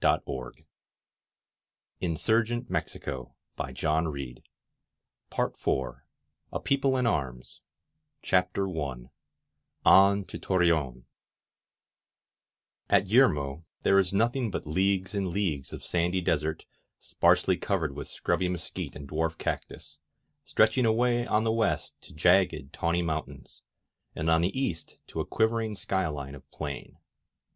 How drunk I shall get! •••" PART FOUR A PEOPLE IN ARMS CHAPTER I "ON TO TORREONI" AT Yermo there is nothing but leagues and leagues of sandy desert, sparsely covered with scrubby mesquite and dwarf cactus 9 stretching away on the west to jagged, tawny mountains, and on the east to a quivering skyline of plain.